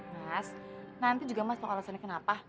mas nanti juga mas mau alasannya kenapa